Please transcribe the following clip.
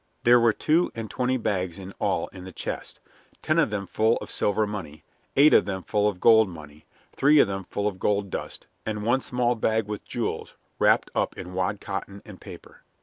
There were two and twenty bags in all in the chest: ten of them full of silver money, eight of them full of gold money, three of them full of gold dust, and one small bag with jewels wrapped up in wad cotton and paper.